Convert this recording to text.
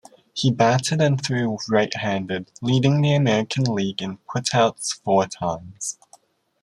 He batted and threw right-handed, leading the American League in putouts four times.